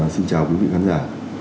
xin chào quý vị khán giả